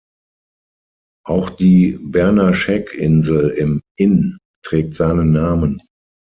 Auch die Bernaschek-Insel im Inn trägt seinen Namen.